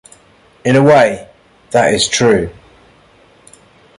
In a way, that is true.